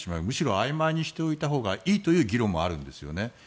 むしろあいまいにしておいたほうがいいという意見もありますよね。